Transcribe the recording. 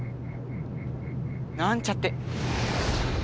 なんちゃって！